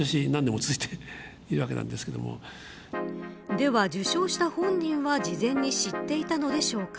では、受賞した本人は事前に知っていたのでしょうか。